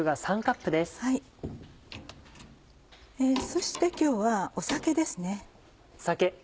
そして今日は酒ですね。